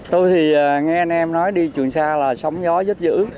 tôi thì nghe anh em nói đi trường sa là sóng gió dứt dữ